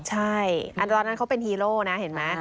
ใช่อันตอนนั้นเขาเป็นฮีโร่นะเห็นไหม